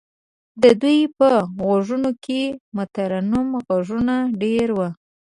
د دوی په غوږونو کې مترنم غږونه دېره وو.